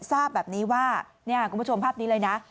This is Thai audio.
ทราบแบบนี้ว่าเนี่ยคุณผู้ชมภาพนี้เลยนะ